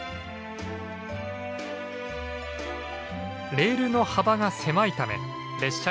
レールの幅が狭いため列車が小さく